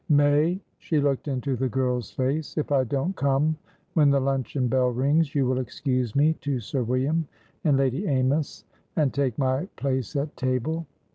"May"she looked into the girl's face"if I don't come when the luncheon bell rings, you will excuse me to Sir William and Lady Amys, and take my place at table."